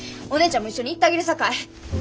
お姉ちゃんも一緒に行ったげるさかい。